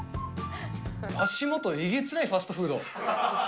足元えげつないファストフード。